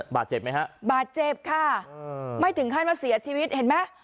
บาดเจ็บไหมฮะบาดเจ็บค่ะไม่ถึงขั้นว่าเสียชีวิตเห็นไหม